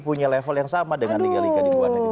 punya level yang sama dengan liga liga di luar negeri